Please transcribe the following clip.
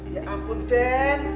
ya ampun den